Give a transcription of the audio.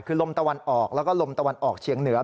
คือลมตะวันออกแล้วก็ลมตะวันออกเฉียงเหนือ